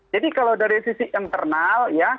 jadi kalau dari sisi internal ya